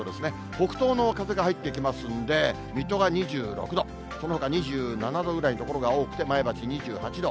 北東の風が入ってきますんで、水戸が２６度、そのほか２７度ぐらいの所が多くて、前橋２８度。